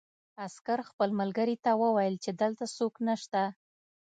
عسکر خپل ملګري ته وویل چې دلته څوک نشته